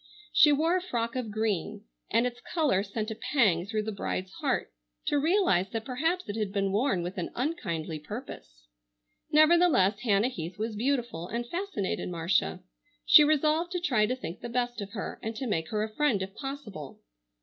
She wore a frock of green, and its color sent a pang through the bride's heart to realize that perhaps it had been worn with an unkindly purpose. Nevertheless Hannah Heath was beautiful and fascinated Marcia. She resolved to try to think the best of her, and to make her a friend if possible.